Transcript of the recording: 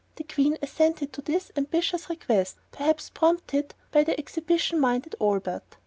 The Queen assented to this ambitious request, perhaps prompted by the exhibition minded Albert.